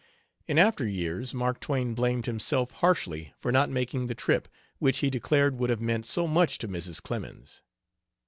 In after years Mark Twain blamed himself harshly for not making the trip, which he declared would have meant so much to Mrs. Clemens.